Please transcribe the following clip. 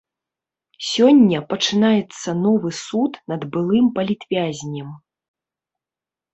Сёння пачынаецца новы суд над былым палітвязням.